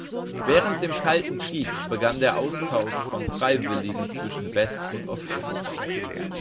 Während dem Kalten Krieg begann der Austausch von Freiwilligen zwischen West- und Osteuropa.